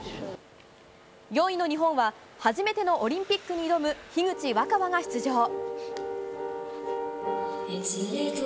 ４位の日本は初めてのオリンピックに挑む樋口新葉が出場。